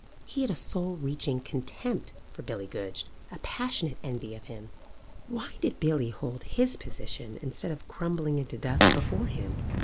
He had a soul reaching contempt for Billy Goodge, a passionate envy of him. Why did Billy hold his position instead of crumbling into dust before him?